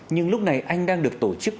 nhưng lúc này anh đang được tổ chức